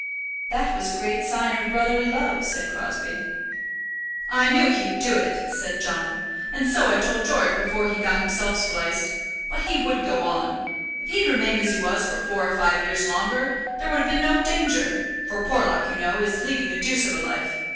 "That was a great sign of brotherly love," said Crosbie. "I knew he'd do it," said John; "and so I told George before he got himself spliced. But he would go on. If he'd remained as he was for four or five years longer there would have been no danger; for Porlock, you know, is leading the deuce of a life.